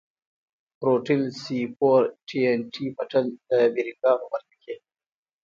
ټروټيل سي فور ټي ان ټي پټن د بېرنگانو مردکي.